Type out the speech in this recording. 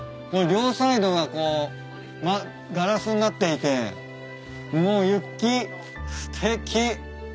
これ両サイドがこうガラスになっていてもう雪すてき。